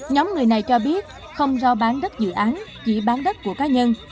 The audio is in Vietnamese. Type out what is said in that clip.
nhóm người này cho biết không giao bán đất dự án chỉ bán đất của cá nhân